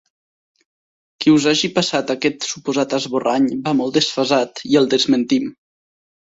Qui us hagi passat aquest suposat esborrany va molt desfasat, i el desmentim.